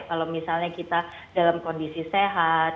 kalau misalnya kita dalam kondisi sehat